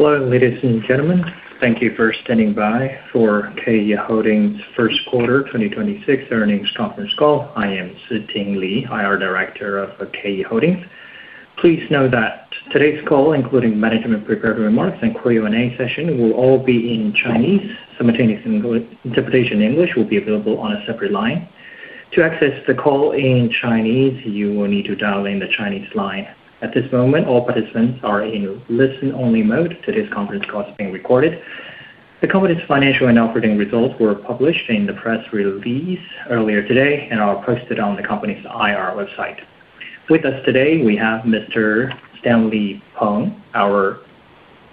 Hello, ladies and gentlemen. Thank you for standing by for KE Holdings first quarter 2026 earnings conference call. I am Siting Li, IR Director of KE Holdings. Please note that today's call, including management-prepared remarks and a Q&A session, will all be in Chinese. Simultaneous interpretation in English will be available on a separate line. To access the call in Chinese, you will need to dial the Chinese line. At this moment, all participants are in listen-only mode. Today's conference call is being recorded. The company's financial and operating results were published in the press release earlier today and are posted on the company's IR website. With us today, we have Mr. Stanley Peng, our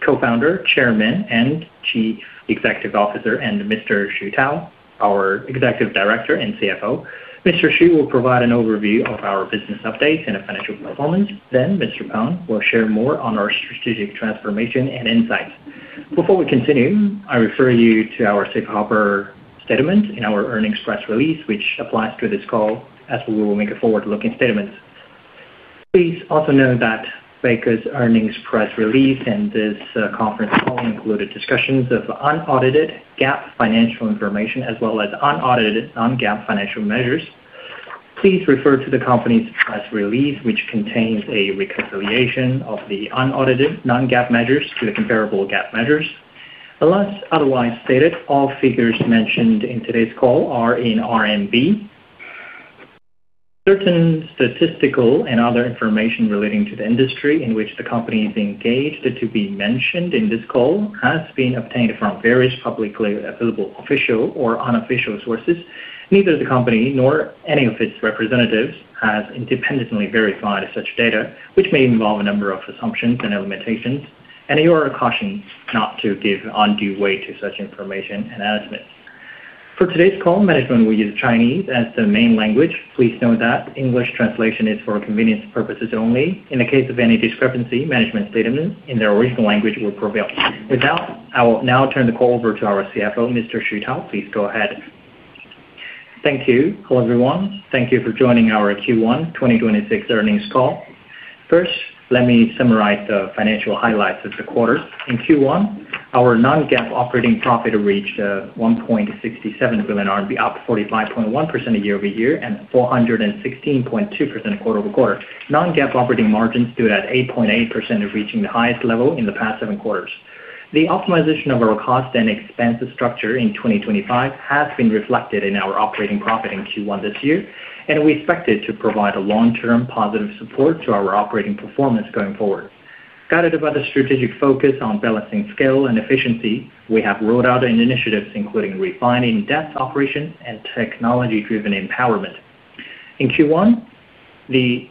Co-founder, Chairman, and Chief Executive Officer, and Mr. Xu Tao, our Executive Director and CFO. Mr. Xu will provide an overview of our business update and financial performance. Mr. Peng will share more on our strategic transformation and insights. Before we continue, I refer you to our safe harbor statement in our earnings press release, which applies to this call, as we will make a forward-looking statement. Please also know that because earnings press release and this conference call included discussions of unaudited GAAP financial information as well as unaudited non-GAAP financial measures, please refer to the company's press release, which contains a reconciliation of the unaudited non-GAAP measures to the comparable GAAP measures. Unless otherwise stated, all figures mentioned in today's call are in RMB. Certain statistical and other information relating to the industry in which the company is engaged to be mentioned in this call has been obtained from various publicly available official or unofficial sources. Neither the company nor any of its representatives has independently verified such data, which may involve a number of assumptions and limitations, and you are cautioned not to give undue weight to such information and estimates. For today's call, management will use Chinese as the main language. Please note that English translation is for convenience purposes only. In the case of any discrepancy, management statement in the original language will prevail. With that, I will now turn the call over to our CFO, Mr. Xu Tao. Please go ahead. Thank you. Hello, everyone. Thank you for joining our Q1 2026 earnings call. First, let me summarize the financial highlights of the quarter. In Q1, our non-GAAP operating profit reached 1.67 billion RMB, up 45.1% year-over-year and 416.2% quarter-over-quarter. Non-GAAP operating margins stood at 8.8%, reaching the highest level in the past 7 quarters. The optimization of our cost and expenses structure in 2025 has been reflected in our operating profit in Q1 this year, and we expect it to provide long-term positive support to our operating performance going forward. Guided by the strategic focus on balancing scale and efficiency, we have rolled out initiatives including refining debt operation and technology-driven empowerment. In Q1, the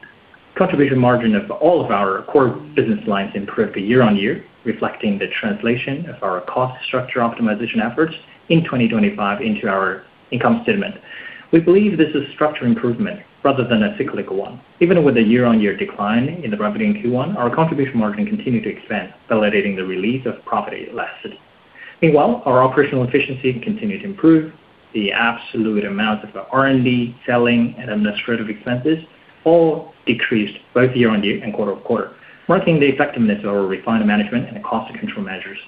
contribution margin of all of our core business lines improved year-on-year, reflecting the translation of our cost structure optimization efforts in 2025 into our income statement. We believe this is structural improvement rather than a cyclical one. Even with a year-on-year decline in the property in Q1, our contribution margin continued to expand, validating the release of profit elasticity. Meanwhile, our operational efficiency continued to improve. The absolute amounts of the R&D, selling, and administrative expenses all decreased both year-over-year and quarter-over-quarter, marking the effectiveness of our refined management and cost control measures.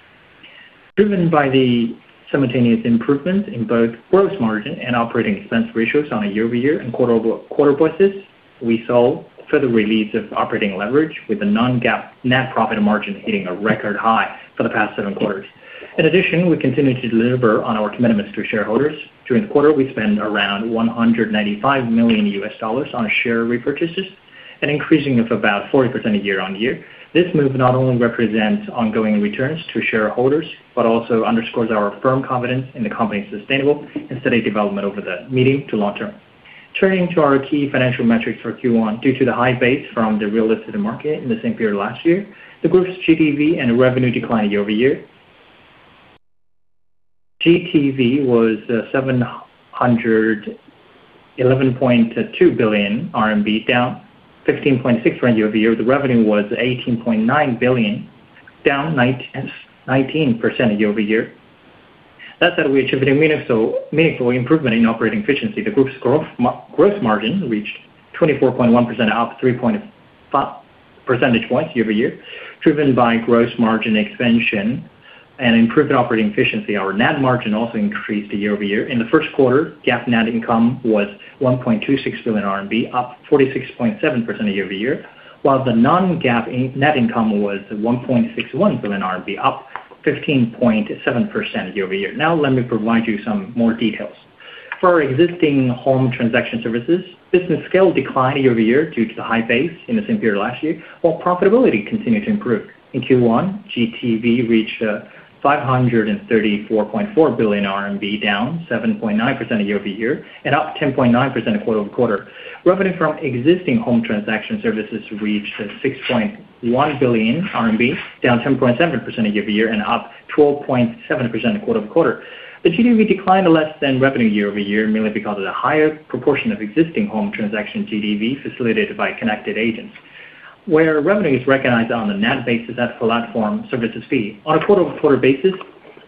Driven by the simultaneous improvement in both gross margin and operating expense ratios on a year-over-year and quarter-over-quarter basis, we saw further release of operating leverage with a non-GAAP net profit margin hitting a record high for the past seven quarters. We continue to deliver on our commitments to shareholders. During the quarter, we spent around $195 million on share repurchases, an increase of about 40% year-over-year. This move not only represents ongoing returns to shareholders but also underscores our firm confidence in the company's sustainable and steady development over the medium to long term. Turning to our key financial metrics for Q1. Due to the high base from the real estate market in the same period last year, the group's GTV and revenue declined year-over-year. GTV was 711.2 billion RMB, down 15.6% year-over-year. The revenue was 18.9 billion, down 19% year-over-year. That said, we attributed meaningful improvement in operating efficiency. The group's gross margin reached 24.1%, up 3.5 percentage points year-over-year. Driven by gross margin expansion and improved operating efficiency, our net margin also increased year-over-year. In the first quarter, GAAP net income was 1.26 billion RMB, up 46.7% year-over-year, while the non-GAAP net income was 1.61 billion RMB, up 15.7% year-over-year. Let me provide you some more details. For our existing home transaction services, business scale declined year-over-year due to the high base in the same period last year, while profitability continued to improve. In Q1, GTV reached CNY 534.4 billion, down 7.9% year-over-year and up 10.9% quarter-over-quarter. Revenue from existing home transaction services reached 6.1 billion RMB, down 10.7% year-over-year and up 12.7% quarter-over-quarter. The GTV declined less than revenue year-over-year, mainly because of the higher proportion of existing home transaction GTV facilitated by connected agents, where revenue is recognized on a net basis as per platform services fees. On a quarter-over-quarter basis,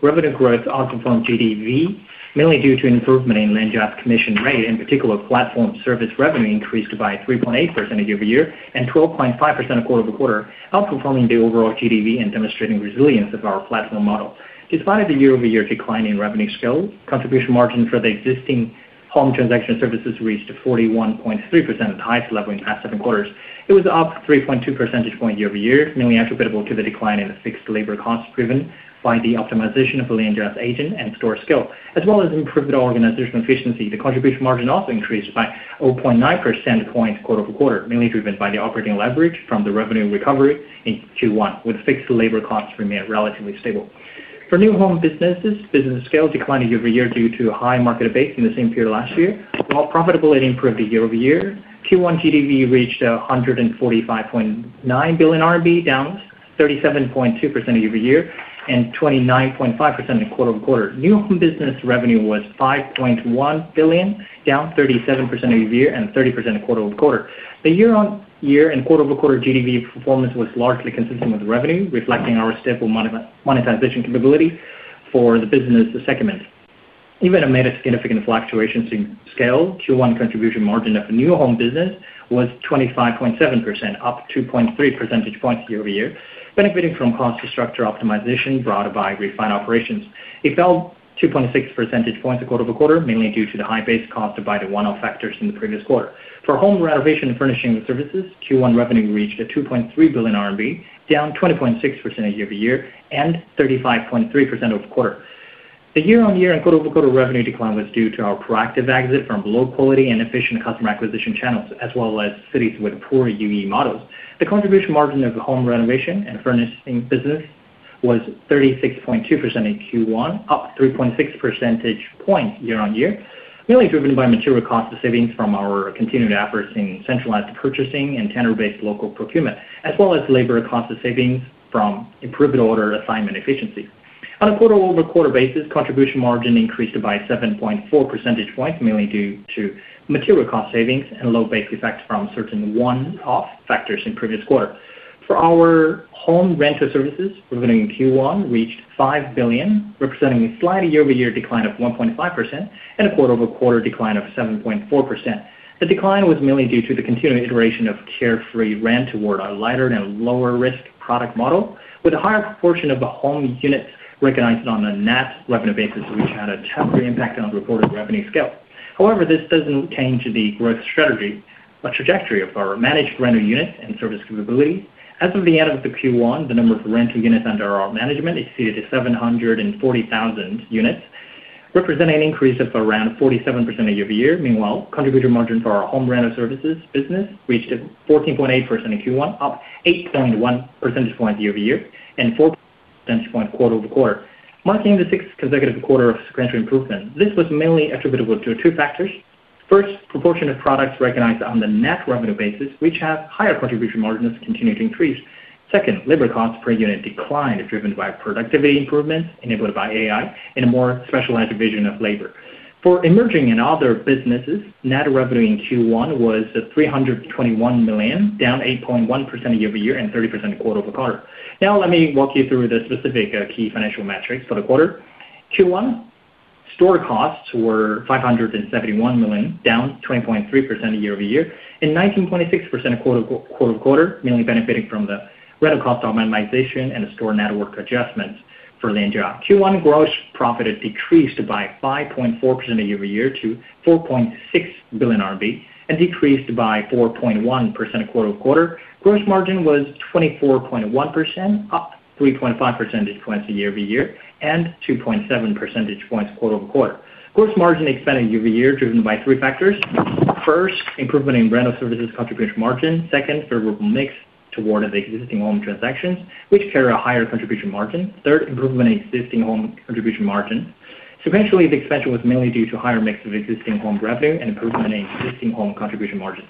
revenue growth outperformed GTV, mainly due to an improvement in Lianjia commission rate. In particular, platform service revenue increased by 3.8% year-over-year and 12.5% quarter-over-quarter, outperforming the overall GTV and demonstrating resilience of our platform model. Despite the year-over-year decline in revenue scale, contribution margin for the existing home transaction services reached 41.3%, the highest level in past seven quarters. It was up 3.2 percentage points year-over-year, mainly attributable to the decline in the fixed labor costs driven by the optimization of the Lianjia agent and store scale, as well as improved organizational efficiency. The contribution margin also increased by 0.9 percentage point quarter-over-quarter, mainly driven by the operating leverage from the revenue recovery in Q1, with fixed labor costs remaining relatively stable. For new home businesses, business scale declined year-over-year due to a high market base in the same period last year, while profitability improved year-over-year. Q1 GTV reached 145.9 billion RMB, down 37.2% year-over-year and 29.5% quarter-over-quarter. New home business revenue was 5.1 billion, down 37% year-over-year and 30% quarter-over-quarter. The year-over-year and quarter-over-quarter GTV performance was largely consistent with revenue, reflecting our stable monetization capability for the business segment. Even amid significant fluctuations in scale, Q1 contribution margin of new home business was 25.7%, up 2.3 percentage points year-over-year, benefiting from cost structure optimization brought by refined operations. It fell 2.6 percentage points quarter-over-quarter, mainly due to the high base caused by the one-off factors in the previous quarter. For home renovation and furnishing services, Q1 revenue reached 2.3 billion RMB, down 20.6% year-over-year and 35.3% quarter-over-quarter. The year-over-year and quarter-over-quarter revenue decline was due to our proactive exit from low-quality and inefficient customer acquisition channels, as well as cities with poor UE models. The contribution margin of the home renovation and furnishing business was 36.2% in Q1, up 3.6 percentage points year-on-year, mainly driven by material cost savings from our continued efforts in centralized purchasing and tender-based local procurement, as well as labor cost savings from improved order assignment efficiency. On a quarter-over-quarter basis, contribution margin increased by 7.4 percentage points, mainly due to material cost savings and low base effects from certain one-off factors in previous quarter. For our home renter services, revenue in Q1 reached 5 billion, representing a slight year-over-year decline of 1.5% and a quarter-over-quarter decline of 7.4%. The decline was mainly due to the continuing iteration of Carefree Rent toward a lighter and lower risk product model, with a higher proportion of the home units recognized on a net revenue basis, which had a temporary impact on the reported revenue scale. However, this doesn't change the growth strategy or trajectory of our managed renter units and service capability. As of the end of Q1, the number of rental units under our management exceeded 740,000 units, representing an increase of around 47% year-over-year. Meanwhile, the contribution margin for our home renter services business reached 14.8% in Q1, up 8.1 percentage points year-over-year and 4 percentage points quarter-over-quarter, marking the sixth consecutive quarter of sequential improvement. This was mainly attributable to two factors. First, proportion of products recognized on the net revenue basis, which have higher contribution margins, continued to increase. Second, labor costs per unit declined, driven by productivity improvements enabled by AI and a more specialized division of labor. For emerging and other businesses, net revenue in Q1 was 321 million, down 8.1% year-over-year and 30% quarter-over-quarter. Now let me walk you through the specific key financial metrics for the quarter. Q1 store costs were 571 million, down 20.3% year-over-year and 19.6% quarter-over-quarter, mainly benefiting from the rental cost optimization and the store network adjustments for Lianjia. Q1 gross profit had decreased by 5.4% year-over-year to 4.6 billion RMB and decreased by 4.1% quarter-over-quarter. Gross margin was 24.1%, up 3.5 percentage points year-over-year and 2.7 percentage points quarter-over-quarter. Gross margin expanded year-over-year, driven by three factors. First, improvement in rental services' contribution margin. Second, a favorable mix toward the existing home transactions, which carry a higher contribution margin. Third, improvement in existing home contribution margin. Sequentially, the expansion was mainly due to a higher mix of existing home revenue and improvement in the existing home contribution margin.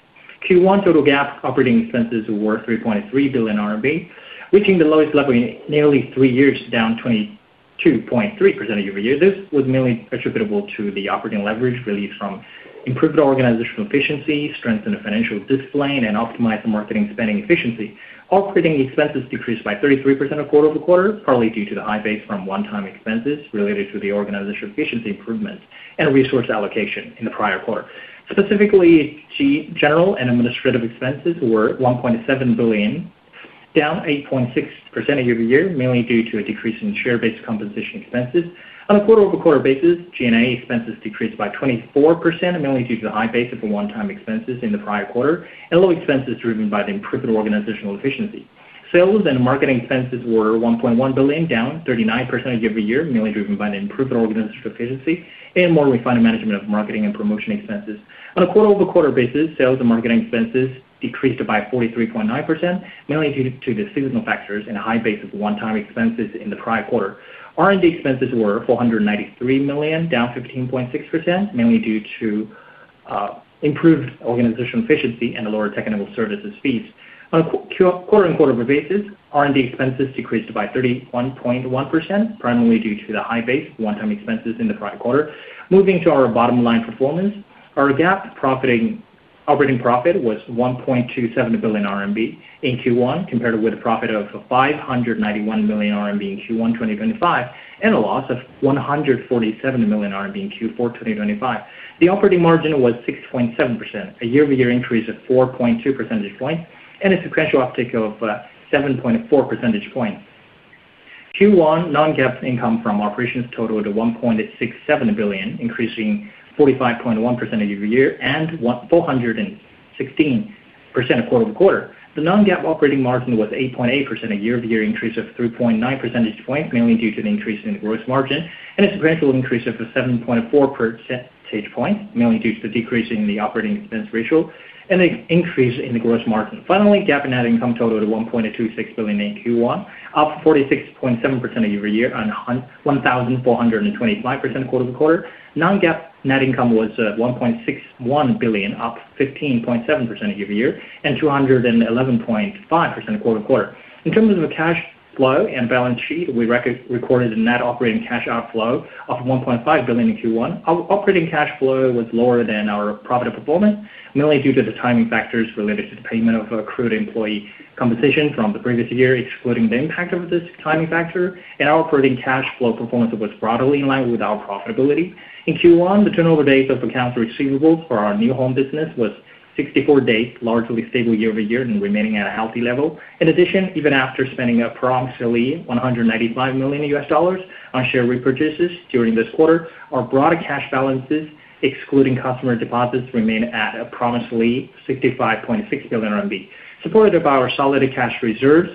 Q1 total GAAP operating expenses were 3.3 billion RMB, reaching the lowest level in nearly three years, down 22.3% year-over-year. This was mainly attributable to the operating leverage released from improved organizational efficiency, strengthened financial discipline, and optimized marketing spending efficiency. All operating expenses decreased by 33% quarter-over-quarter, partly due to the high base from one-time expenses related to the organizational efficiency improvement and resource allocation in the prior quarter. Specifically, general and administrative expenses were 1.7 billion, down 8.6% year-over-year, mainly due to a decrease in share-based compensation expenses. On a quarter-over-quarter basis, G&A expenses decreased by 24%, mainly due to the high base of the one-time expenses in the prior quarter and low expenses driven by the improved organizational efficiency. Sales and marketing expenses were 1.1 billion, down 39% year-over-year, mainly driven by an improved organizational efficiency and more refined management of marketing and promotion expenses. On a quarter-over-quarter basis, sales and marketing expenses decreased by 43.9%, mainly due to the seasonal factors and a high base of one-time expenses in the prior quarter. R&D expenses were 493 million, down 15.6%, mainly due to improved organizational efficiency and lower technical services fees. On a quarter-over-quarter basis, R&D expenses decreased by 31.1%, primarily due to the high base one-time expenses in the prior quarter. Moving on to our bottom line performance. Our GAAP operating profit was 1.27 billion RMB in Q1 compared with a profit of 591 million RMB in Q1 2025 and a loss of 147 million RMB in Q4 2025. The operating margin was 6.7%, a year-over-year increase of 4.2 percentage points and a sequential uptick of 7.4 percentage points. Q1 non-GAAP income from operations totaled 1.67 billion, increasing 45.1% year-over-year and 416% quarter-over-quarter. The non-GAAP operating margin was 8.8%, a year-over-year increase of 3.9 percentage points, mainly due to the increase in the gross margin, and a sequential increase of 7.4 percentage points, mainly due to the decrease in the operating expense ratio and the increase in the gross margin. Finally, GAAP net income totaled 1.26 billion in Q1, up 46.7% year-over-year and 1,425% quarter-over-quarter. Non-GAAP net income was 1.61 billion, up 15.7% year-over-year and 211.5% quarter-over-quarter. In terms of the cash flow and balance sheet, we recorded a net operating cash outflow of 1.5 billion in Q1. Operating cash flow was lower than our profit performance, mainly due to the timing factors related to the payment of accrued employee compensation from the previous year. Excluding the impact of this timing factor, our operating cash flow performance was broadly in line with our profitability. In Q1, the turnover days of accounts receivable for our new home business were 64 days, largely stable year-over-year and remaining at a healthy level. Even after spending approximately $195 million on share repurchases during this quarter, our broader cash balances, excluding customer deposits, remain at approximately 65.6 billion RMB. Supported by our solid cash reserves,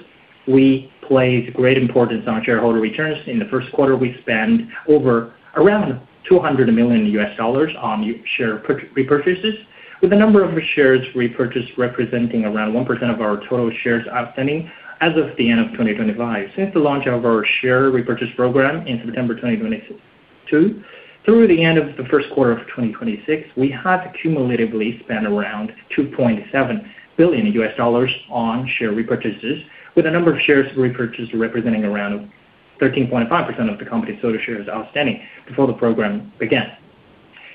we place great importance on shareholder returns. In the first quarter, we spent over around $200 million on share repurchases, with the number of shares repurchased representing around 13.5% of the company's total shares outstanding before the program began.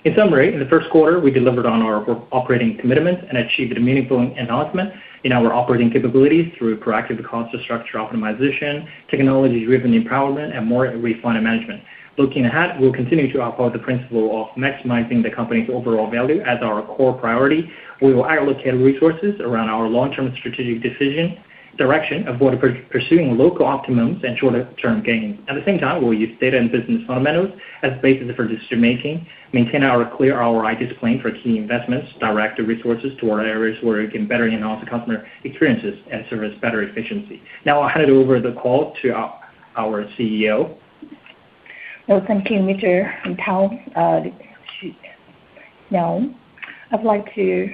In summary, in the first quarter, we delivered on our operating commitments and achieved a meaningful enhancement in our operating capabilities through proactive cost structure optimization, technology-driven empowerment, and more refined management. Looking ahead, we'll continue to uphold the principle of maximizing the company's overall value as our core priority. We will allocate resources around our long-term strategic direction, avoiding pursuing local optimums and shorter-term gains. At the same time, we'll use data and business fundamentals as basis for decision-making and maintain our clear ROI discipline for key investments, directing resources toward areas where we can better enhance customer experiences and service and better efficiency. Now I'll hand over the call to our CEO. Well, thank you, Mr. Tao. Now, I'd like to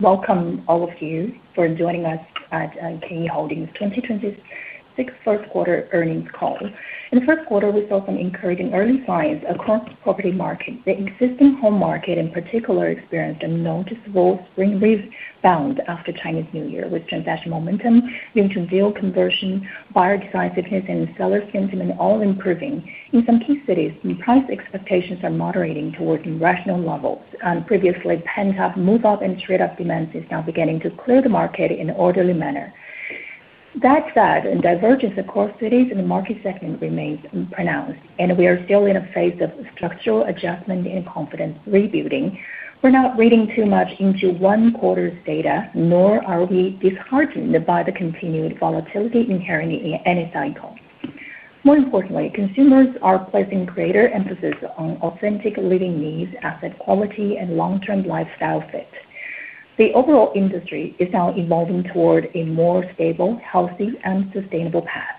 welcome all of you for joining us at KE Holdings 2026 first quarter earnings call. In the first quarter, we saw some encouraging early signs across the property market. The existing home market, in particular, experienced a noticeable spring rebound after Chinese New Year, with transaction momentum into deal conversion, buyer decisiveness, and seller sentiment all improving. In some key cities, the price expectations are moderating towards rational levels. Previously pent-up move-up and trade-up demand is now beginning to clear the market in an orderly manner. That said, in divergence of core cities and market segments remains pronounced. We are still in a phase of structural adjustment and confidence rebuilding. We're not reading too much into one quarter's data, nor are we disheartened by the continued volatility inherent in any cycle. More importantly, consumers are placing greater emphasis on authentic living needs, asset quality, and long-term lifestyle fit. The overall industry is now evolving toward a more stable, healthy, and sustainable path.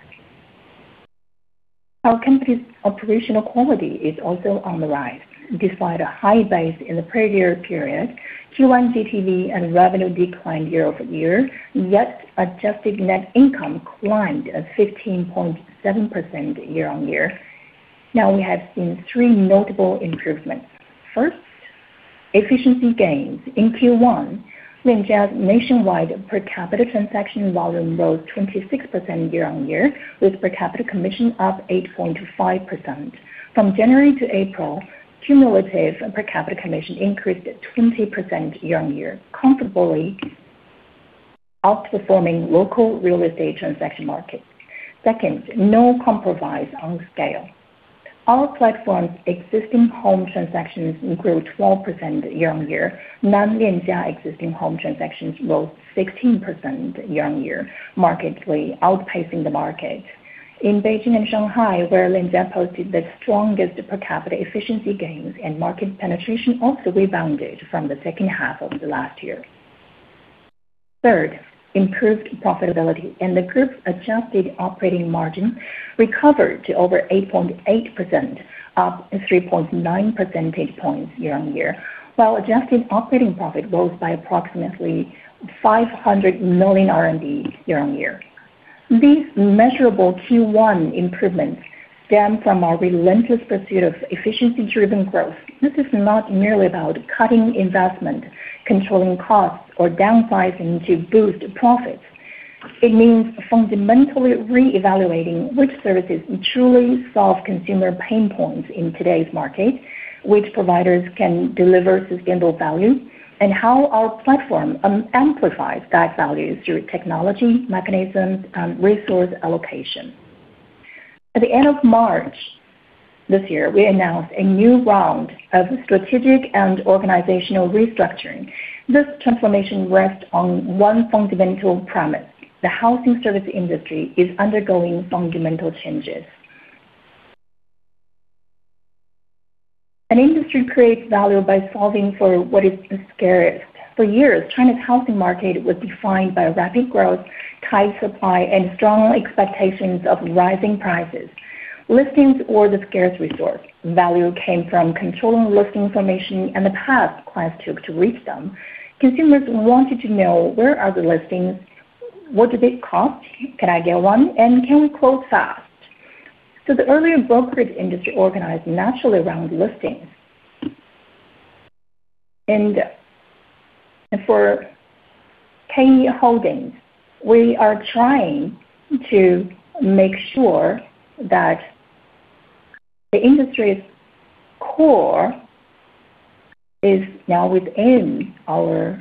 Our company's operational quality is also on the rise. Despite a high base in the prior period, Q1 GTV and revenue declined year over year, yet adjusted net income climbed at 15.7% year-on-year. We have seen three notable improvements. First, efficiency gains. In Q1, Lianjia nationwide per capita transaction volume rose 26% year-on-year, with per capita commission up 8.5%. From January to April, cumulative per capita commission increased by 20% year-on-year, comfortably outperforming local real estate transaction market. Second, no compromise on scale. Our platform's existing home transactions grew 12% year-on-year. Non-Lianjia existing home transactions rose 16% year-on-year, markedly outpacing the market. In Beijing and Shanghai, where Lianjia posted the strongest per capita efficiency gains, market penetration also rebounded from the second half of last year. Third, improved profitability. The group's adjusted operating margin recovered to over 8.8%, up 3.9 percentage points year-on-year, while adjusted operating profit rose by approximately 500 million RMB year-on-year. These measurable Q1 improvements stem from our relentless pursuit of efficiency-driven growth. This is not merely about cutting investment, controlling costs, or downsizing to boost profits. It means fundamentally re-evaluating which services truly solve consumer pain points in today's market, which providers can deliver sustainable value, and how our platform amplifies that value through technology, mechanisms, and resource allocation. At the end of March this year, we announced a new round of strategic and organizational restructuring. This transformation rests on one fundamental premise: the housing service industry is undergoing fundamental changes. An industry creates value by solving for what is the scarcest. For years, China's housing market was defined by rapid growth, tight supply, and strong expectations of rising prices. Listings were the scarce resource. Value came from controlling listing information and the path clients took to reach it. Consumers wanted to know where the listings are, what they cost, if I can get one, and if we can close fast. The earlier brokerage industry organized naturally around listings. For KE Holdings, we are trying to make sure that the industry's core is now within our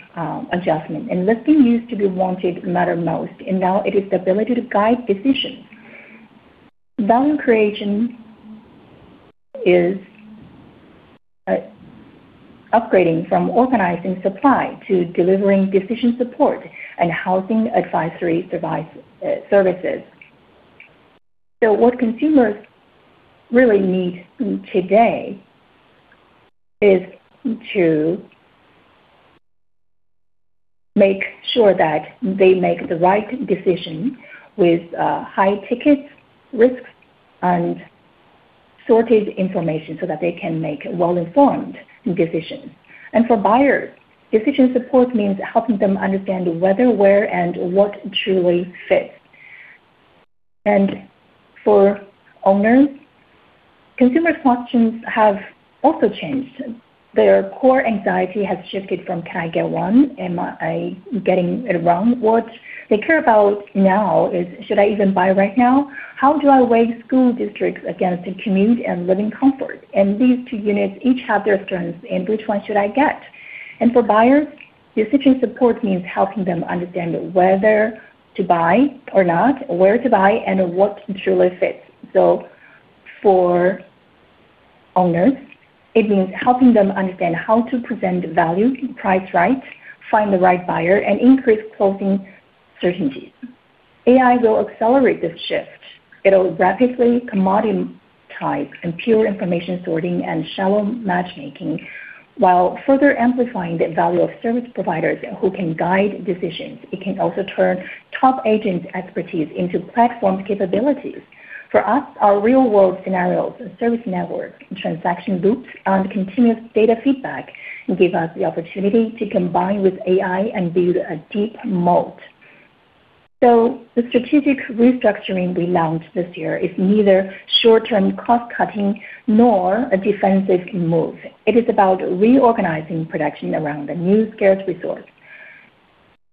adjustment. Listings used to be what mattered most, and now it is the ability to guide decisions. Value creation is upgrading from organizing supply to delivering decision support and housing advisory services. What consumers really need today is to make sure that they make the right decision with high tickets, risks, and sorted information so that they can make well-informed decisions. For buyers, decision support means helping them understand whether, where, and what truly fits. For owners, consumer functions have also changed. Their core anxiety has shifted from, Can I get one? Am I getting it wrong? What they care about now is, Should I even buy right now? How do I weigh school districts against the commute and living comfort? These two units each have their strengths, and which one should I get? For buyers, decision support means helping them understand whether to buy or not, where to buy, and what truly fits. For owners, it means helping them understand how to present value, price right, find the right buyer, and increase closing certainty. AI will accelerate this shift. It'll rapidly commoditize computer information sorting and shallow matchmaking, while further amplifying the value of service providers who can guide decisions. It can also turn top agent expertise into platform capabilities. For us, our real-world scenarios, service network, transaction loops, and continuous data feedback give us the opportunity to combine with AI and build a deep moat. The strategic restructuring we launched this year is neither short-term cost-cutting nor a defensive move. It is about reorganizing production around a new scarce resource.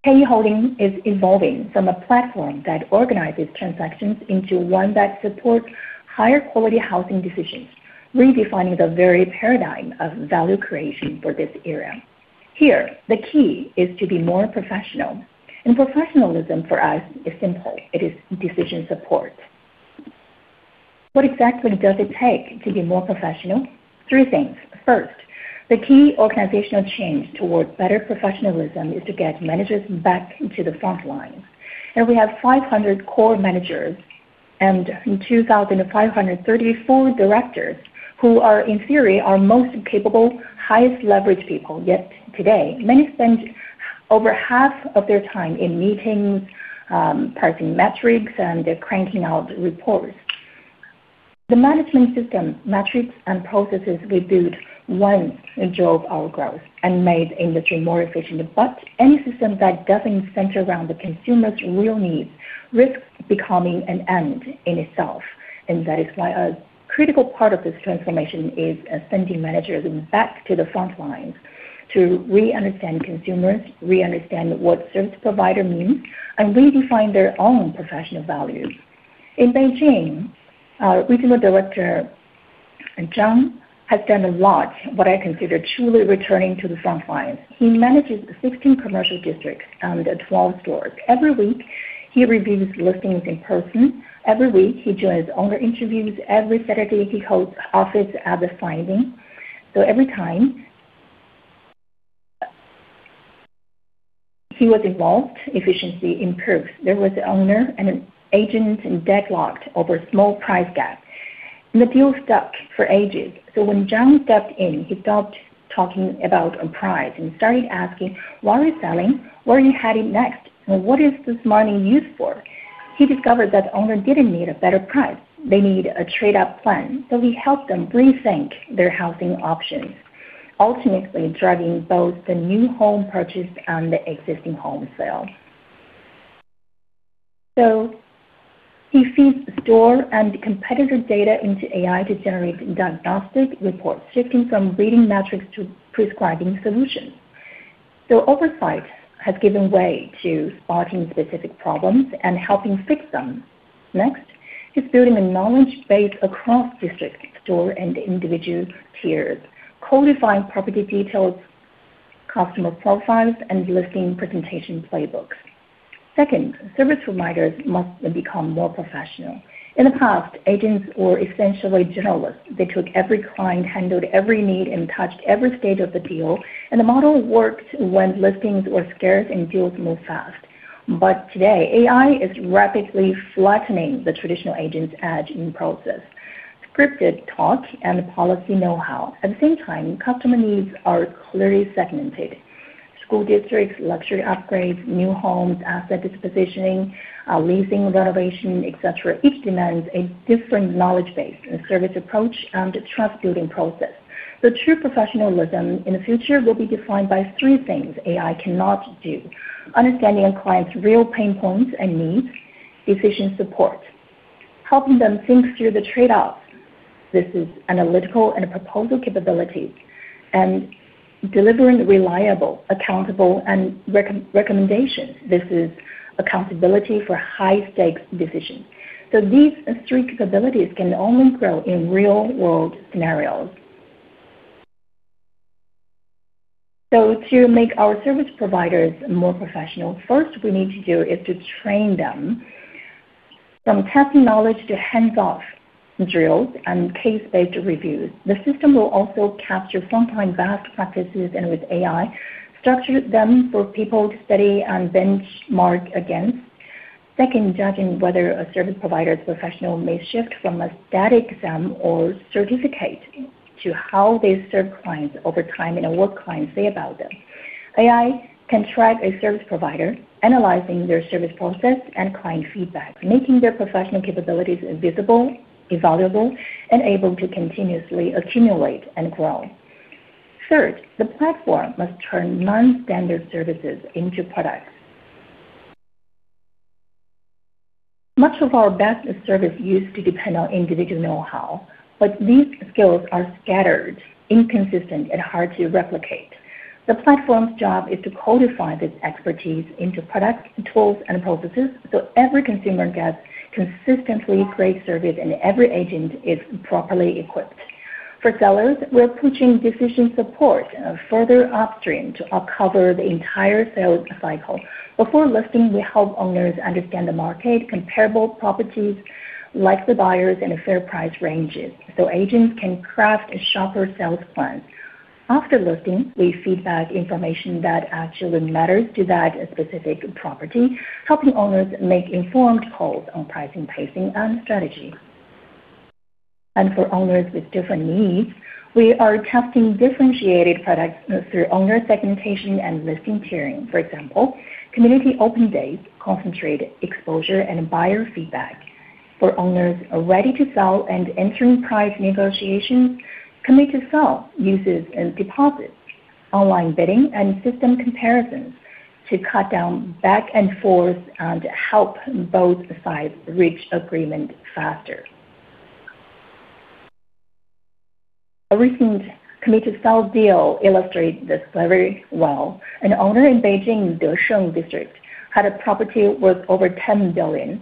KE Holdings is evolving from a platform that organizes transactions into one that supports higher quality housing decisions, redefining the very paradigm of value creation for this era. Here, the key is to be more professional, and professionalism for us is simple. It is decision support. What exactly does it take to be more professional? Three things. First, the key organizational change towards better professionalism is to get managers back to the front lines. We have 500 core managers and 2,534 directors who are, in theory, our most capable, highest-leverage people. Yet today, many spend over half of their time in meetings, parsing metrics, and cranking out reports. The management system, metrics, and processes we built once drove our growth and made the industry more efficient. Any system that doesn't center around the consumer's real needs risks becoming an end in itself. That is why a critical part of this transformation is sending managers back to the front lines to re-understand consumers, re-understand what service provider means, and redefine their own professional values. In Beijing, our Regional Director, Zhang, has done a lot that I consider truly returning to the front line. He manages 16 commercial districts and 12 stores. Every week, he reviews listings in person. Every week, he joins owner interviews. Every Saturday, he hosts office signing. Every time he was involved, efficiency improved. There was an owner and an agent deadlocked over a small price gap, and the deal stuck for ages. When Zhang stepped in, he stopped talking about a price and started asking, Why are you selling? Where are you heading next? What is this money used for? He discovered that the owner didn't need a better price. They need a trade-up plan. He helped them rethink their housing options, ultimately driving both the new home purchase and the existing home sale. He feeds store and competitor data into AI to generate diagnostic reports, shifting from reading metrics to prescribing solutions. Oversight has given way to spotting specific problems and helping fix them. Next, he's building a knowledge base across district, store, and individual tiers, codifying property details, customer profiles, and listing presentation playbooks. Second, service providers must become more professional. In the past, agents were essentially generalists. They took every client, handled every need, and touched every stage of the deal, and the model worked when listings were scarce and deals moved fast. Today, AI is rapidly flattening the traditional agent's edge in process, scripted talk, and policy know-how. At the same time, customer needs are clearly segmented. School districts, luxury upgrades, new homes, asset dispositioning, leasing, renovation, et cetera, each demand a different knowledge base and service approach and trust-building process. The true professionalism in the future will be defined by three things AI cannot do: understanding a client's real pain points and needs, efficient support, helping them think through the trade-offs. This is analytical and proposal capabilities and delivering reliable accountable and recommendations. This is accountability for high-stakes decisions. These three capabilities can only grow in real-world scenarios. To make our service providers more professional, first we need to do is train them from tech knowledge to hands-off drills and case-based reviews. The system will also capture frontline best practices and, with AI, structure them for people to study and benchmark against. Second, judging whether a service provider is professional may shift from a static exam or certificate to how they serve clients over time and what clients say about them. AI can track a service provider, analyzing their service process and client feedback, making their professional capabilities visible, evaluable, and able to continuously accumulate and grow. Third, the platform must turn non-standard services into products. Much of our best service used to depend on individual know-how, but these skills are scattered, inconsistent, and hard to replicate. The platform's job is to codify this expertise into product tools and processes so every consumer gets consistently great service and every agent is properly equipped. For sellers, we're pushing decision support further upstream to cover the entire sales cycle. Before listing, we help owners understand the market, comparable properties, likely buyers, and fair price ranges so agents can craft a sharper sales plan. After listing, we feedback information that actually matters to that specific property, helping owners make informed calls on pricing, pacing, and strategy. For owners with different needs, we are testing differentiated products through owner segmentation and listing tiering. For example, community open days concentrate exposure and buyer feedback. For owners ready to sell and entering price negotiations, Commit to Sell uses a deposit, online bidding, and system comparisons to cut down back-and-forth and help both sides reach agreement faster. A recent Commit to Sell deal illustrates this very well. An owner in Beijing, Desheng District, had a property worth over 10 million.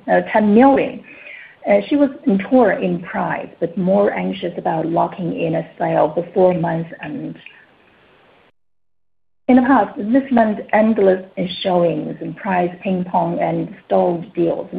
She was firm in price, more anxious about locking in a sale before month-end. In the past, this meant endless showings and price ping pong and stalled deals.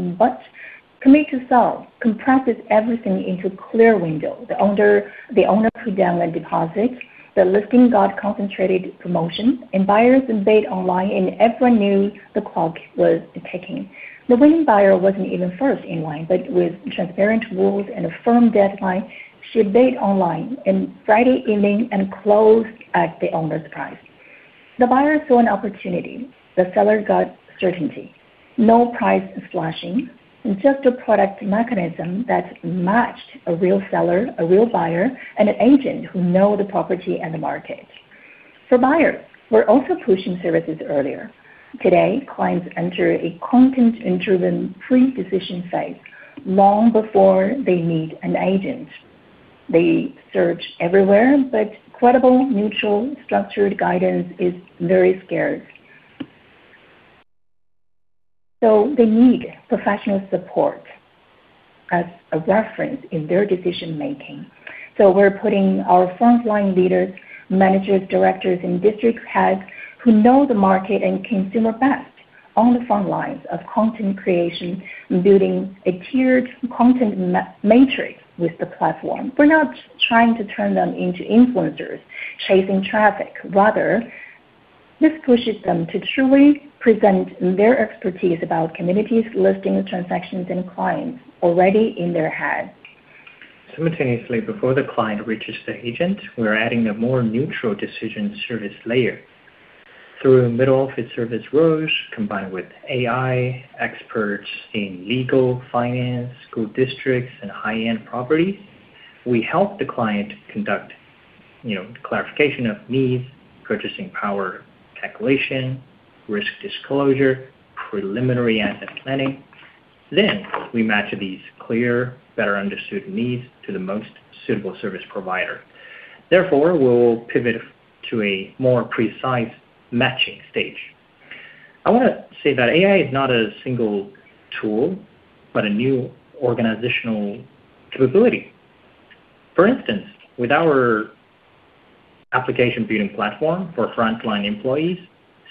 Commit to Sell compresses everything into a clear window. The owner put down a deposit, the listing got concentrated promotion, and buyers bid online, and everyone knew the clock was ticking. The winning buyer wasn't even first in line, but with transparent rules and a firm deadline, she bid online on Friday evening and closed at the owner's price. The buyer saw an opportunity. The seller got certainty. No price slashing, just a product mechanism that matched a real seller, a real buyer, and an agent who knows the property and the market. For buyers, we're also pushing services earlier. Today, clients enter a content-driven pre-decision phase long before they need an agent. They search everywhere, but credible, neutral, structured guidance is very scarce. They need professional support as a reference in their decision-making. We're putting our front-line leaders, managers, directors, and district heads who know the market and consumer best on the front lines of content creation and building a tiered content matrix with the platform. We're not trying to turn them into influencers chasing traffic. Rather, this pushes them to truly present their expertise about communities, listings, transactions, and clients already in their hands. Simultaneously, before the client reaches the agent, we're adding a more neutral decision service layer. Through middle office service roles, combined with AI experts in legal, finance, school districts, and high-end properties, we help the client conduct, you know, clarification of needs, purchasing power calculation, risk disclosure, preliminary asset planning. We match these clear, better understood needs to the most suitable service provider. We will pivot to a more precise matching stage. I wanna say that AI is not a single tool but a new organizational capability. For instance, with our application building platform for frontline employees,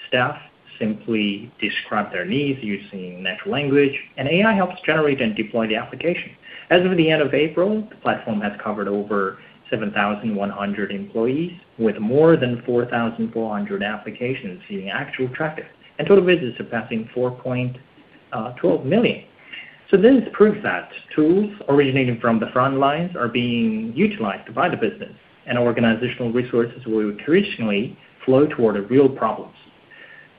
staff simply describe their needs using natural language, and AI helps generate and deploy the application. As of the end of April, the platform has covered over 7,100 employees with more than 4,400 applications seeing actual traffic and total visits surpassing 4.12 million. This proves that tools originating from the front lines are being utilized by the business, and organizational resources will traditionally flow toward the real problems.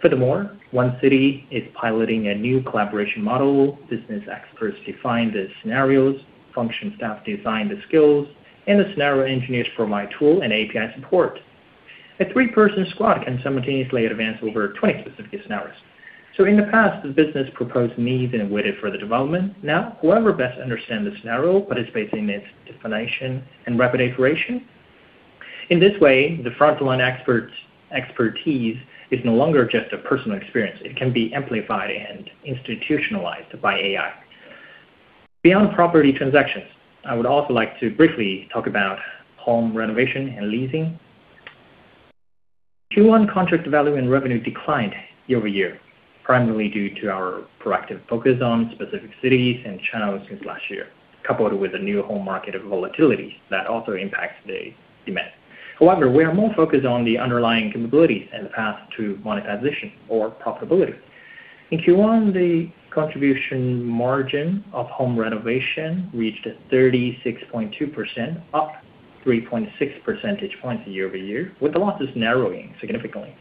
Furthermore, one city is piloting a new collaboration model. Business experts define the scenarios; functional staff design the skills; and the scenario engineers provide tool and API support. A three-person squad can simultaneously advance over 20 specific scenarios. In the past, the business proposed needs and waited for the development. Now, whoever best understands the scenario participates in its definition and rapid iteration. In this way, the frontline expert's expertise is no longer just a personal experience. It can be amplified and institutionalized by AI. Beyond property transactions, I would also like to briefly talk about home renovation and leasing. Q1 contract value and revenue declined year-over-year, primarily due to our proactive focus on specific cities and channels since last year, coupled with the new home market volatility that also impacts the demand. However, we are more focused on the underlying capabilities and the path to monetization or profitability. In Q1, the contribution margin of home renovation reached 36.2%, up 3.6 percentage points year-over-year, with the losses narrowing significantly.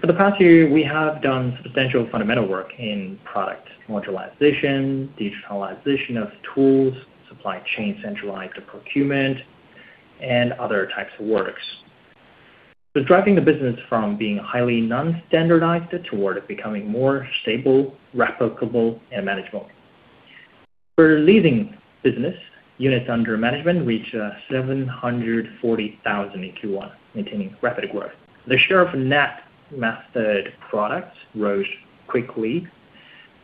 For the past year, we have done substantial fundamental work in product modularization, digitalization of tools, centralized supply chain procurement, and other types of work. Driving the business from being highly nonstandardized toward becoming more stable, replicable, and manageable. For leasing business, units under management reached 740,000 in Q1, maintaining rapid growth. The share of net method products rose quickly.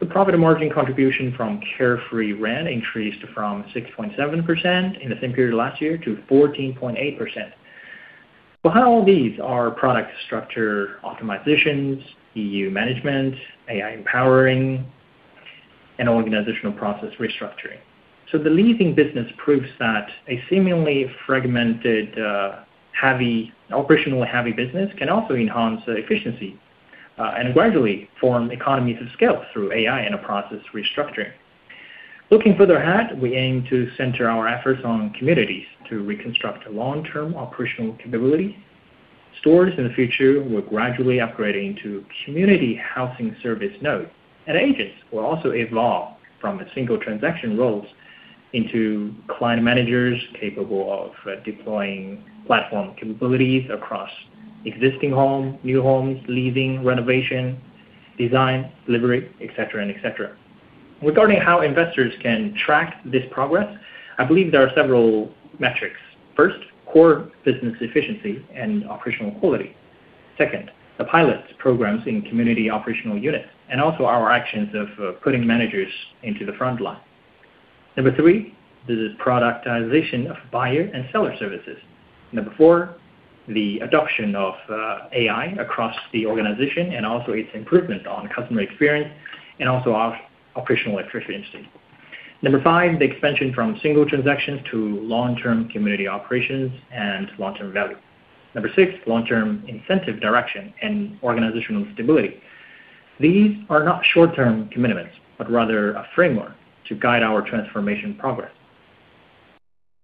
The profit margin contribution from Carefree Rent increased from 6.7% in the same period last year to 14.8%. Behind all these are product structure optimizations, UE management, AI empowering, and organizational process restructuring. The leasing business proves that a seemingly fragmented, heavy, operationally heavy business can also enhance efficiency and gradually form economies of scale through AI and a process restructuring. Looking further ahead, we aim to center our efforts on communities to reconstruct long-term operational capabilities. Stores in the future will gradually upgrade into community housing service nodes, and agents will also evolve from single transaction roles into client managers capable of deploying platform capabilities across existing homes, new homes, leasing, renovation, design, delivery, and et cetera. Regarding how investors can track this progress, I believe there are several metrics. First, core business efficiency and operational quality. Second, the pilot programs in community operational units and also our actions of putting managers into the front line. Number three, this is the productization of buyer and seller services. Number four, the adoption of AI across the organization and also its improvement in customer experience and operational efficiency. Number five, the expansion from single transactions to long-term community operations and long-term value. Number six, long-term incentive direction and organizational stability. These are not short-term commitments but rather a framework to guide our transformation progress.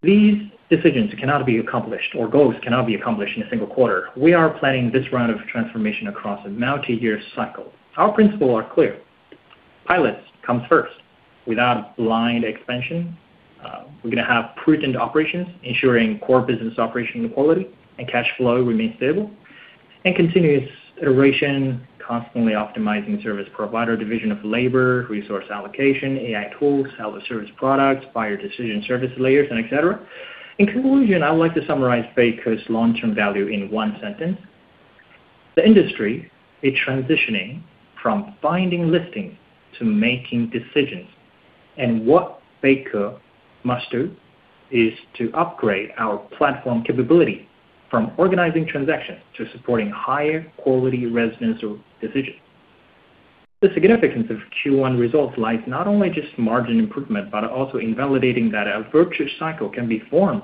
These decisions cannot be accomplished, or goals cannot be accomplished, in a single quarter. We are planning this round of transformation across a multi-year cycle. Our principles are clear. Pilots come first without blind expansion. We're going to have prudent operations, ensuring core business operational quality and cash flow remain stable, and continuous iteration, constantly optimizing service providers, division of labor, resource allocation, AI tools, service products, buyer decision service layers, et cetera. In conclusion, I would like to summarize Beike's long-term value in one sentence. The industry is transitioning from finding listings to making decisions. What Beike must do is upgrade our platform capability from organizing transactions to supporting higher-quality residential decisions. The significance of Q1 results lies not only just in margin improvement but also in validating that a virtuous cycle can be formed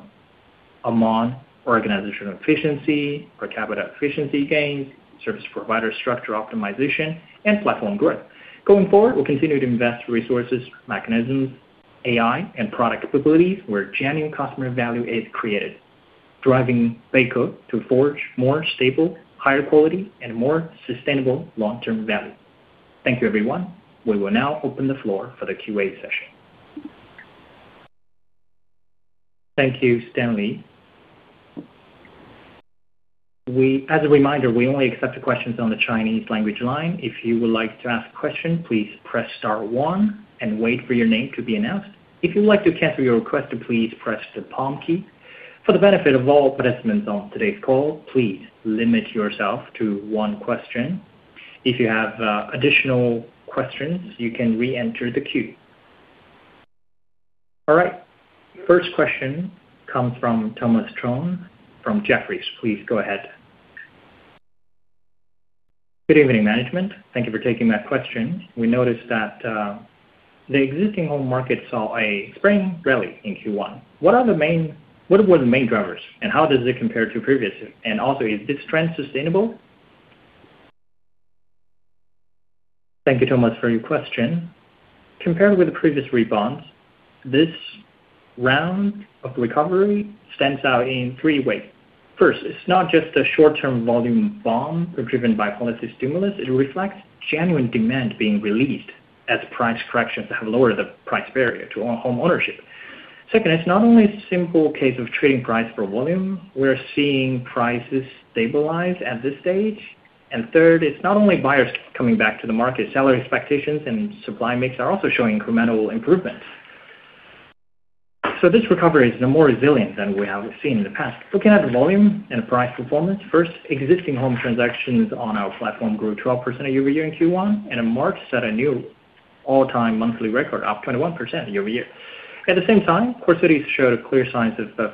among organizational efficiency, per capita efficiency gains, service provider structure optimization, and platform growth. Going forward, we'll continue to invest resources, mechanisms, AI, and product capabilities where genuine customer value is created, driving Beike to forge more stable, higher-quality, and more sustainable long-term value. Thank you, everyone. We will now open the floor for the Q&A session. Thank you, Stanley. As a reminder, we only accept the questions on the Chinese language line. If you would like to ask a question, please press star-one and wait for your name to be announced. If you'd like to cancel your request, please press the pound key. For the benefit of all participants on today's call, please limit yourself to one question. If you have additional questions, you can re-enter the queue. All right. First question comes from Thomas Chong from Jefferies. Please go ahead. Good evening, management. Thank you for taking my question. We noticed that the existing home market saw a spring rally in Q1. What were the main drivers, and how does it compare to previous? Is this trend sustainable? Thank you, Thomas, for your question. Compared with the previous rebounds, this round of recovery stands out in three ways. First, it's not just a short-term volume bump driven by policy stimulus. It reflects genuine demand being released as price corrections have lowered the price barrier to home ownership. Second, it's not only a simple case of trading price for volume. We're seeing prices stabilize at this stage. Third, it's not only buyers coming back to the market. Seller expectations and supply mix are also showing incremental improvements. This recovery is more resilient than we have seen in the past. Looking at volume and price performance, first, existing home transactions on our platform grew 12% year-over-year in Q1, and in March set a new all-time monthly record, up 21% year-over-year. At the same time, core cities showed clear signs of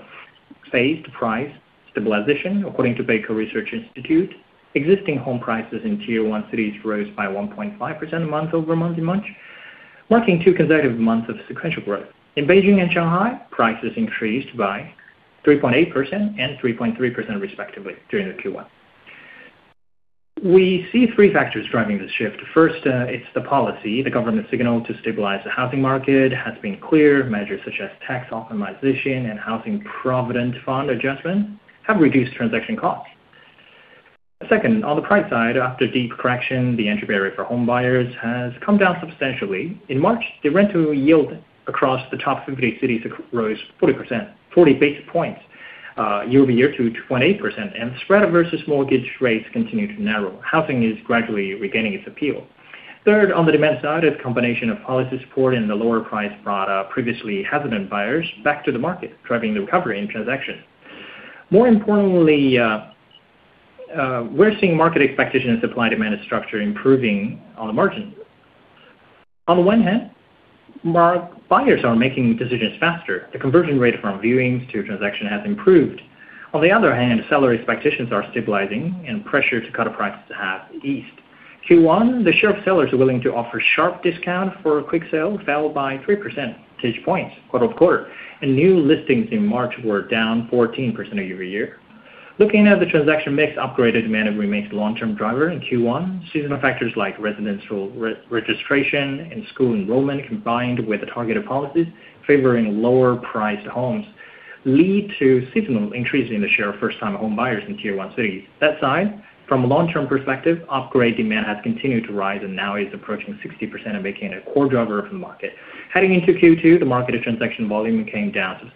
phased price stabilization, according to the Beike Research Institute. Existing home prices in Tier-1 cities rose by 1.5% month-over-month in March, marking two consecutive months of sequential growth. In Beijing and Shanghai, prices increased by 3.8% and 3.3%, respectively, during Q1. We see three factors driving this shift. First, it's the policy. The government signal to stabilize the housing market has been clear. Measures such as tax optimization and Housing Provident Fund adjustment have reduced transaction costs. Second, on the price side, after deep correction, the entry barrier for home buyers has come down substantially. In March, the rental yield across the top 50 cities rose 40 basis points year-over-year to 28%, and spread versus mortgage rates continue to narrow. Housing is gradually regaining its appeal. Third, on the demand side is a combination of policy support and the lower price brought up previously hesitant buyers back to the market, driving the recovery in transactions. More importantly, we're seeing market expectations' supply-demand structure improving on the margin. On the one hand, buyers are making decisions faster. The conversion rate from viewings to transactions has improved. On the other hand, seller expectations are stabilizing, and pressure to cut a price has eased. In Q1, the share of sellers willing to offer a sharp discount for a quick sale fell by 3 percentage points quarter-over-quarter, and new listings in March were down 14% year-over-year. Looking at the transaction mix, upgraded demand remains a long-term driver in Q1. Seasonal factors like residential re-registration and school enrollment, combined with the targeted policies favoring lower-priced homes, lead to a seasonal increase in the share of first-time home buyers in tier-one cities. That side, from a long-term perspective, upgrade demand has continued to rise and now is approaching 60% and has become a core driver of the market. Heading into Q2, the market and transaction volume came down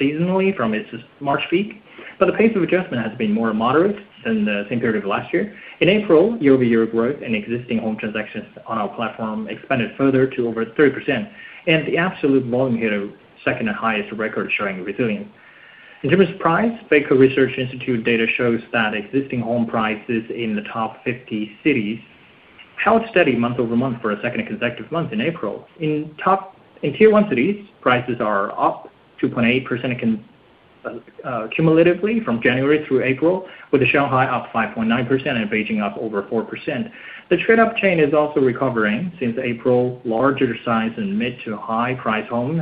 seasonally from its March peak, but the pace of adjustment has been more moderate than the same period of last year. In April, year-over-year growth in existing home transactions on our platform expanded further to over 30%, and the absolute volume hit a second-highest record, showing resilience. In terms of price, Beike Research Institute data shows that existing home prices in the top 50 cities held steady month-over-month for a second consecutive month in April. In top Tier-1 cities, prices are up 2.8% cumulatively from January through April, with Shanghai up 5.9% and Beijing up over 4%. The trade-up chain is also recovering since April. Larger-sized and mid- to-high-priced homes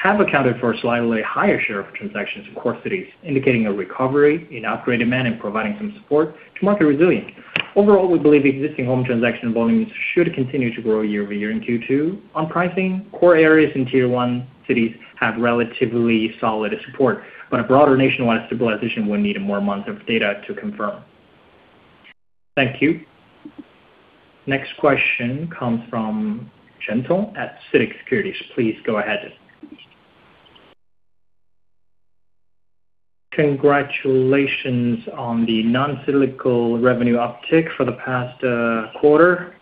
have accounted for a slightly higher share of transactions in core cities, indicating a recovery in upgraded demand and providing some support to market resilience. Overall, we believe existing home transaction volumes should continue to grow year-over-year in Q2. On pricing, core areas in tier-one cities have relatively solid support, but a broader nationwide stabilization would need more months of data to confirm. Thank you. Next question comes from [Shantal] at CITIC Securities. Please go ahead. Congratulations on the non-cyclical revenue uptick for the past quarter.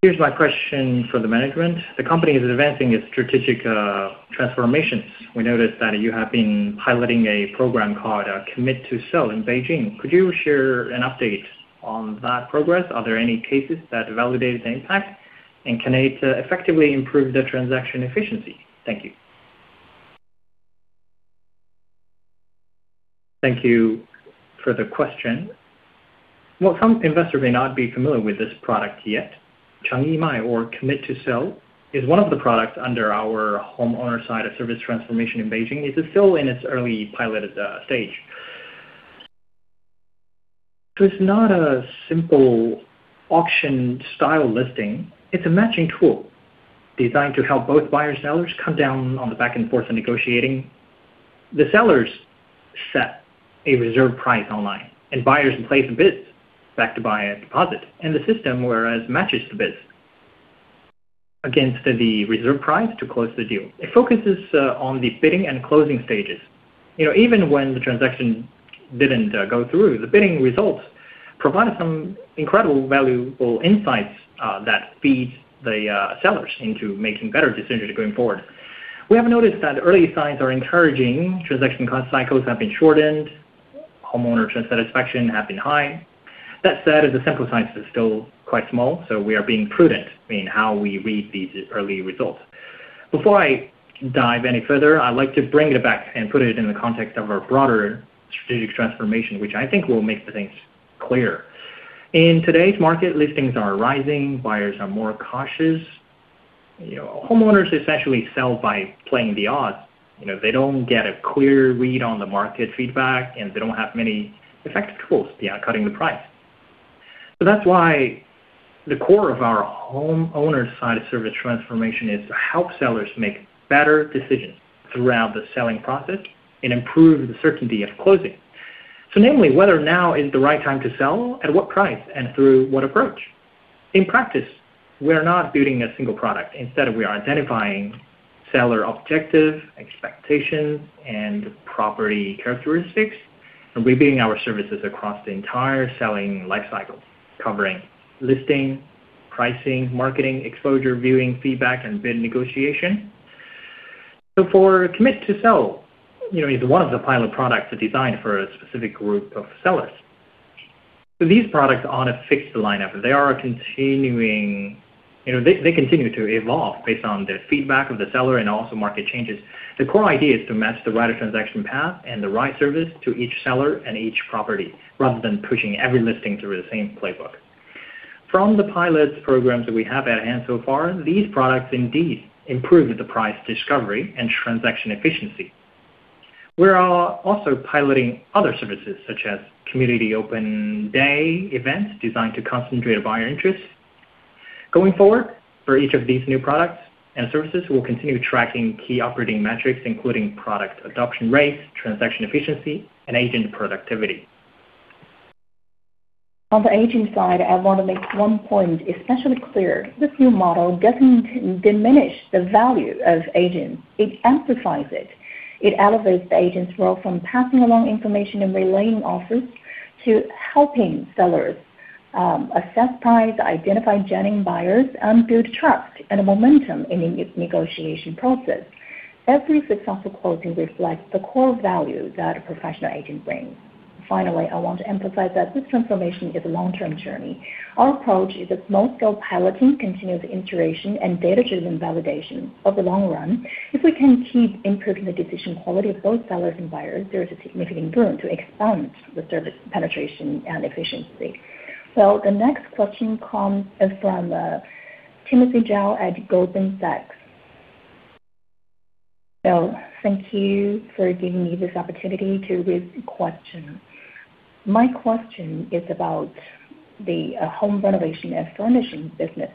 Here's my question for the management. The company is advancing its strategic transformations. We noticed that you have been piloting a program called Commit to Sell in Beijing. Could you share an update on that progress? Are there any cases that validate its impact? Can it effectively improve the transaction efficiency? Thank you. Thank you for the question. Well, some investors may not be familiar with this product yet. Chángqī Mài, or Commit to Sell, is one of the products under our homeowner side of service transformation in Beijing. It is still in its early, piloted stage. It's not a simple auction-style listing. It's a matching tool designed to help both buyers and sellers come down on the back and forth in negotiating. The sellers set a reserve price online, and buyers place bids backed by a deposit, and the system matches the bids against the reserve price to close the deal. It focuses on the bidding and closing stages. You know, even when the transaction didn't go through, the bidding results provided some incredible valuable insights that feed the sellers into making better decisions going forward. We have noticed that early signs are encouraging. Transaction cost cycles have been shortened. Homeowner satisfaction has been high. That said, the sample size is still quite small. We are being prudent in how we read these early results. Before I dive any further, I'd like to bring it back and put it in the context of our broader strategic transformation, which I think will make the things clearer. In today's market, listings are rising, buyers are more cautious. You know, homeowners essentially sell by playing the odds. You know, they don't get a clear read on the market feedback, and they don't have many effective tools beyond cutting the price. That's why the core of our homeowner-side service transformation is to help sellers make better decisions throughout the selling process and improve the certainty of closing. Namely, whether now is the right time to sell, at what price, and through what approach. In practice, we're not building a single product. Instead, we are identifying seller objectives, expectations, and property characteristics, and we bring our services across the entire selling life cycle, covering listing, pricing, marketing, exposure, viewing, feedback, and bid negotiation. For Commit to Sell, you know, is one of the pilot products designed for a specific group of sellers. These products aren't a fixed lineup. They, you know, continue to evolve based on the feedback of the seller and also market changes. The core idea is to match the right transaction path and the right service to each seller and each property rather than pushing every listing through the same playbook. From the pilot programs that we have at hand so far, these products indeed improve the price discovery and transaction efficiency. We are also piloting other services such as community open day events designed to concentrate buyer interest. Going forward, for each of these new products and services, we'll continue tracking key operating metrics, including product adoption rates, transaction efficiency, and agent productivity. On the agent side, I want to make one point especially clear. This new model doesn't diminish the value of agents. It emphasizes. It elevates the agent's role from passing along information and relaying offers to helping sellers assess price, identify genuine buyers, and build trust and momentum in the negotiation process. Every successful closing reflects the core value that a professional agent brings. Finally, I want to emphasize that this transformation is a long-term journey. Our approach is a small-scale piloting, continuous integration, and data-driven validation over the long run. If we can keep improving the decision quality of both sellers and buyers, there is significant room to expand the service penetration and efficiency. The next question comes from Timothy Zhao at Goldman Sachs. Thank you for giving me this opportunity to raise a question. My question is about the home renovation and furnishing business.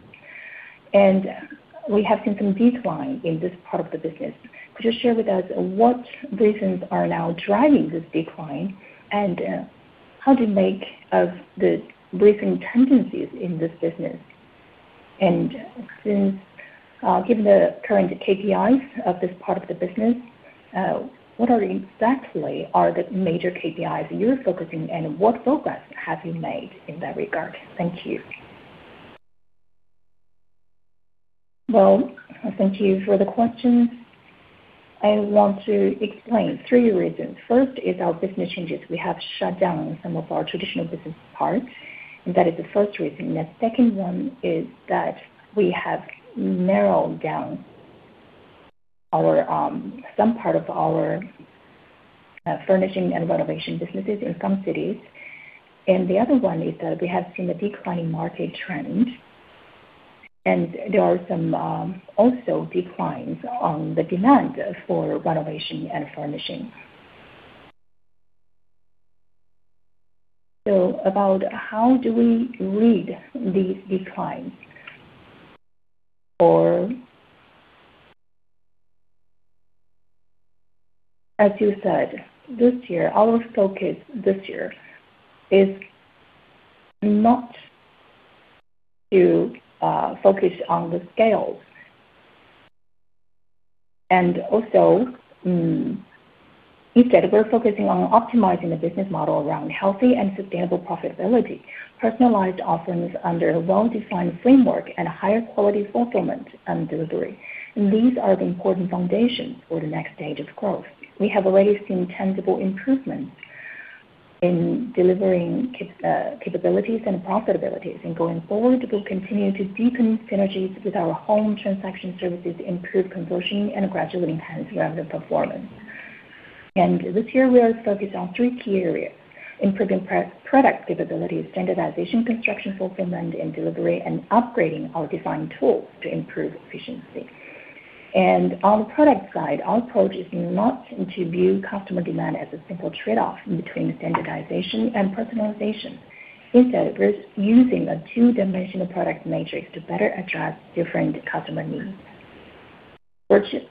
We have seen some decline in this part of the business. Could you share with us what reasons are now driving this decline, and how do you make of the recent tendencies in this business? Since, given the current KPIs of this part of the business, what are exactly are the major KPIs you're focusing, and what progress have you made in that regard? Thank you. Well, thank you for the question. I want to explain three reasons. First is our business changes. We have shut down some of our traditional business parts, and that is the first reason. The second one is that we have narrowed down some part of our furnishing and renovation businesses in some cities. The other one is that we have seen a declining market trend, and there are also some declines in the demand for renovation and furnishing. How do we read the decline? As you said, this year, our focus is not to focus on the scales. Instead, we're focusing on optimizing the business model around healthy and sustainable profitability, personalized offerings under a well-defined framework, and higher quality fulfillment and delivery. These are the important foundations for the next stage of growth. We have already seen tangible improvements in delivering capabilities and profitability. Going forward, we'll continue to deepen synergies with our home transaction services to improve conversion and gradually enhance revenue performance. This year, we are focused on three key areas: improving product capabilities, standardization construction fulfillment and delivery, and upgrading our design tools to improve efficiency. On the product side, our approach is not to view customer demand as a simple trade-off between standardization and personalization. Instead, we're using a two-dimensional product matrix to better address different customer needs.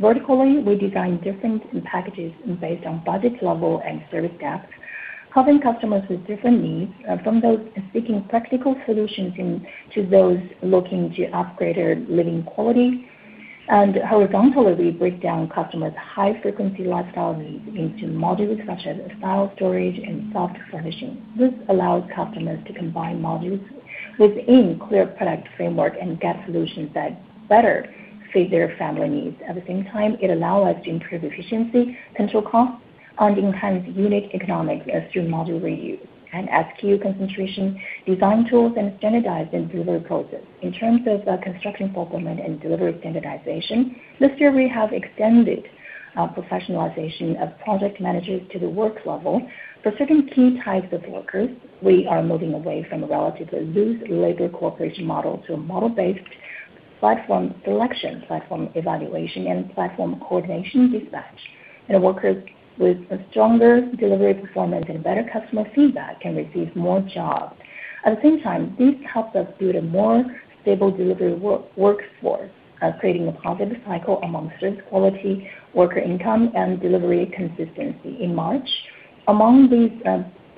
Vertically, we design different packages based on budget level and service depth, helping customers with different needs, from those seeking practical solutions to those looking to upgrade their living quality. Horizontally, we break down customers' high-frequency lifestyle needs into modules such as file storage and soft furnishing. This allows customers to combine modules within a clear product framework and get solutions that better fit their family needs. At the same time, it allows us to improve efficiency, control costs, and enhance unit economics through module reuse and SKU concentration, design tools, and standardized delivery processes. In terms of construction fulfillment and delivery standardization, this year we have extended professionalization of project managers to the works level. For certain key types of workers, we are moving away from a relatively loose labor cooperation model to a model-based platform selection, platform evaluation, and platform coordination dispatch. Workers with a stronger delivery performance and better customer feedback can receive more jobs. At the same time, this helps us build a more stable delivery workforce, creating a positive cycle amongst risk, quality, worker income, and delivery consistency. In March, among these,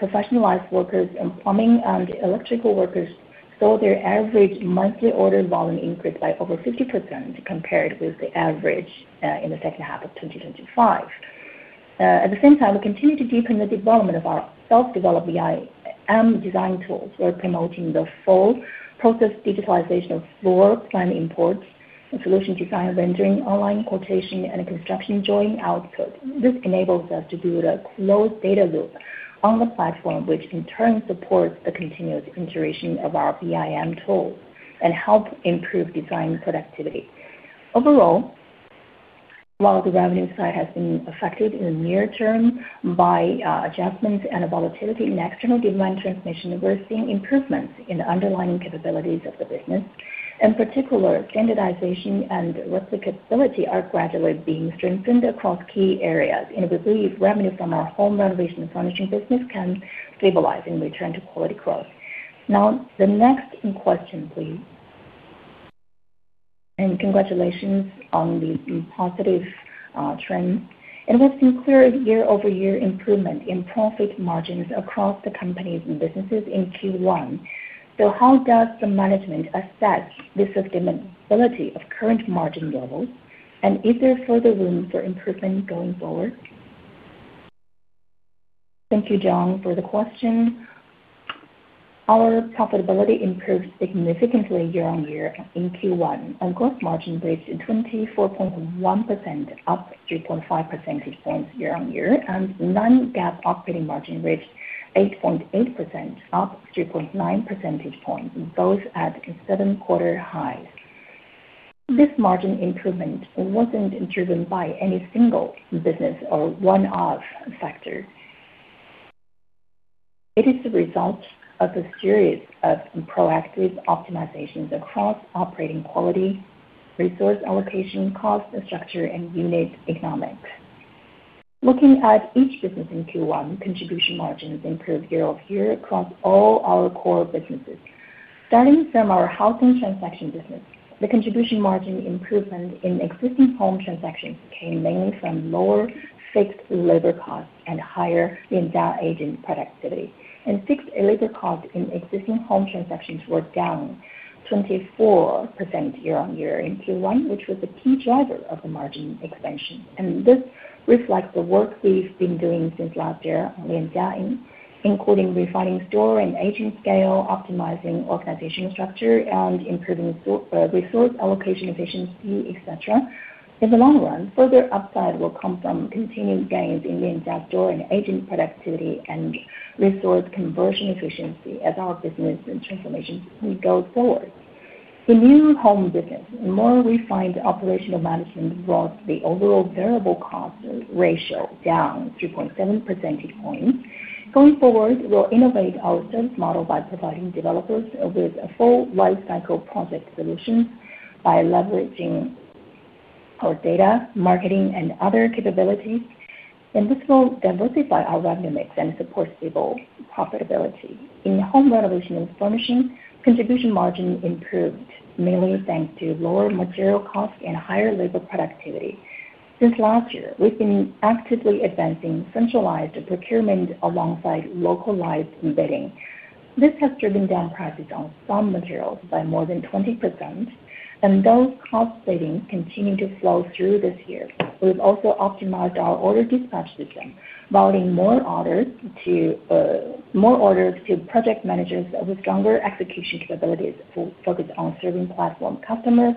professionalized workers and plumbing and electrical workers saw their average monthly order volume increase by over 50% compared with the average in the second half of 2025. At the same time, we continue to deepen the development of our self-developed BIM design tools. We're promoting the full-process digitalization of floor plan imports and solution design rendering, online quotation, and construction drawing output. This enables us to build a closed data loop on the platform, which in turn supports the continuous iteration of our BIM tools and helps improve design productivity. Overall, while the revenue side has been affected in the near term by adjustments and a volatility in external demand transmission, we're seeing improvements in the underlying capabilities of the business, and particular standardization and replicability are gradually being strengthened across key areas. We believe revenue from our home renovation furnishing business can stabilize and return to quality growth. The next question, please. Congratulations on the positive trend. It has been clear year-over-year improvement in profit margins across the company's businesses in Q1. How does the management assess the sustainability of current margin levels? Is there further room for improvement going forward? Thank you, John, for the question. Our profitability improved significantly year-on-year in Q1. Our gross margin reached 24.1%, up 3.5 percentage points year-on-year, and non-GAAP operating margin reached 8.8%, up 3.9 percentage points, both at a seven-quarter high. This margin improvement wasn't driven by any single business or one-off factor. It is the result of a series of proactive optimizations across operating quality, resource allocation, cost structure, and unit economics. Looking at each business in Q1, contribution margins improved year-over-year across all our core businesses. Starting from our housing transaction business, the contribution margin improvement in existing home transactions came mainly from lower fixed labor costs and higher agent productivity. Fixed labor costs in existing home transactions were down 24% year-on-year in Q1, which was a key driver of the margin expansion. This reflects the work we've been doing since last year on Lianjia, including refining store and agent scale, optimizing organizational structure, improving resource allocation efficiency, et cetera. In the long run, further upside will come from continued gains in Lianjia store and agent productivity and resource conversion efficiency as our business and transformation go forward. The new home business's more refined operational management brought the overall variable cost ratio down 2.7 percentage points. Going forward, we'll innovate our service model by providing developers with a full lifecycle project solution by leveraging our data, marketing, and other capabilities. This will diversify our revenue mix and support stable profitability. In home renovation and furnishing, contribution margin improved mainly thanks to lower material costs and higher labor productivity. Since last year, we've been actively advancing centralized procurement alongside localized embedding. This has driven down prices on some materials by more than 20%, and those cost savings continue to flow through this year. We've also optimized our order dispatch system, routing more orders to project managers with stronger execution capabilities who focus on serving platform customers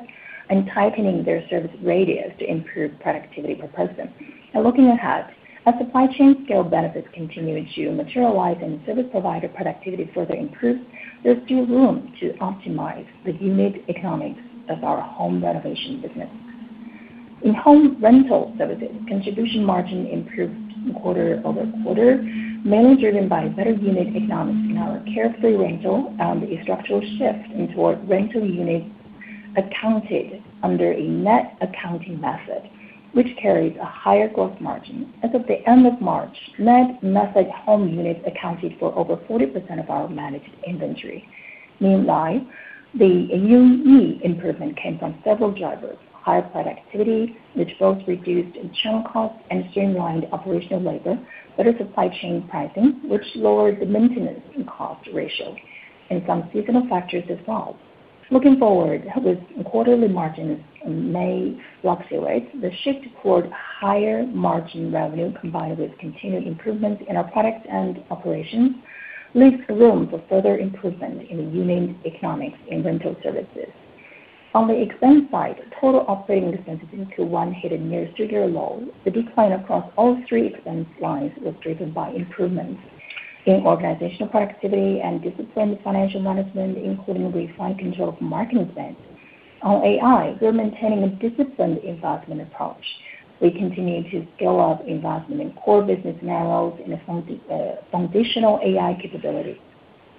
and tightening their service radius to improve productivity per person. Looking ahead, as supply chain scale benefits continue to materialize and service provider productivity further improves, there's still room to optimize the unit economics of our home renovation business. In home rental services, contribution margin improved quarter-over-quarter, mainly driven by better unit economics in our Carefree Rent and a structural shift toward rental units accounted for under a net accounting method, which carries a higher gross margin. As of the end of March, net method home units accounted for over 40% of our managed inventory. Meanwhile, the UE improvement came from several drivers. Higher productivity, which both reduced internal costs and streamlined operational labor, better supply chain pricing, which lowered the maintenance and cost ratio, and some seasonal factors as well. Looking forward, with quarterly margins fluctuating in May, the shift toward higher-margin revenue, combined with continued improvements in our products and operations, leaves room for further improvement in the unit economics in rental services. On the expense side, total operating expenses in Q1 hit a near record low. The decline across all three expense lines was driven by improvements in organizational productivity and disciplined financial management, including refined control of marketing spend. On AI, we're maintaining a disciplined investment approach. We continue to scale up investment in core business models and foundational AI capabilities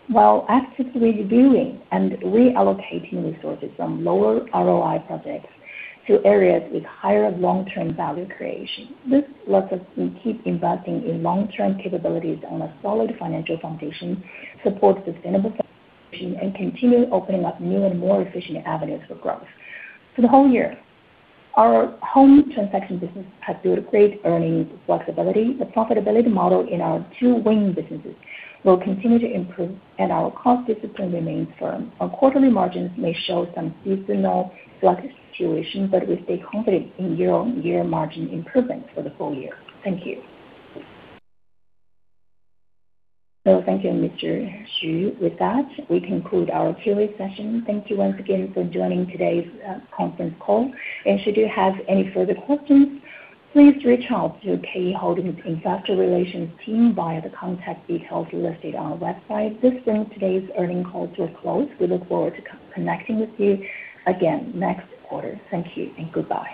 while actively reviewing and reallocating resources from lower ROI projects to areas with higher long-term value creation. This lets us keep investing in long-term capabilities on a solid financial foundation, support sustainability, and continue opening up new and more efficient avenues for growth. For the whole year, our home transaction business has built great earnings flexibility. The profitability model in our two-wing businesses will continue to improve, and our cost discipline remains firm. Our quarterly margins may show some seasonal fluctuations, but we stay confident in year-on-year margin improvement for the full year. Thank you. Thank you, Mr. Xu. With that, we conclude our Q&A session. Thank you once again for joining today's conference call. Should you have any further questions, please reach out to KE Holdings' investor relations team via the contact details listed on our website. This brings today's earnings call to a close. We look forward to connecting with you again next quarter. Thank you and goodbye.